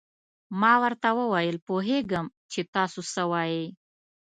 ما ورته وویل: پوهېږم چې تاسو څه وایئ.